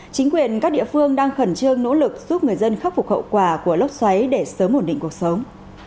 chính quyền các địa phương đang khẩn trương nỗ lực giúp người dân khắc phục hậu quả của lốc xoáy để sớm ổn định cuộc sống